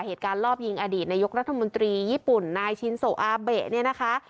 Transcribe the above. เหตุการณ์รอบยิงอดีตนายกรัฐมนตรีญี่ปุ่นนายชินโซอาเบะเนี่ยนะคะ